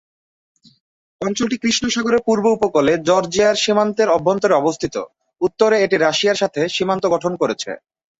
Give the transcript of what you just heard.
অঞ্চলটি কৃষ্ণ সাগরের পূর্ব উপকূলে জর্জিয়ার সীমান্তের অভ্যন্তরে অবস্থিত; উত্তরে এটি রাশিয়ার সাথে সীমান্ত গঠন করেছে।